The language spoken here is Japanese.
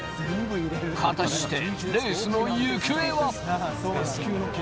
果たして、レースの行方は。